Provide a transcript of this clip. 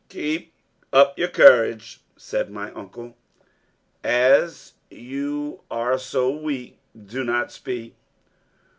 "Keep up your courage," said my uncle. "As you are so weak, do not speak.